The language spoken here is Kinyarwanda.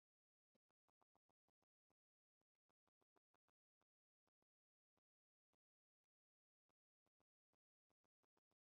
kuko ndi buhane aba lisitiya